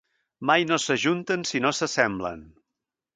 Mai no s'ajunten si no s'assemblen.